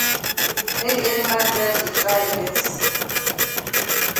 Make any man jus di try yi best.